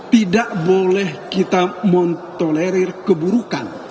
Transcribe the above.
tidak boleh kita montolerir keburukan